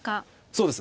そうです